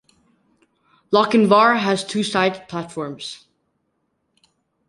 Lochinvar has two side platforms.